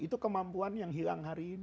itu kemampuan yang hilang hari ini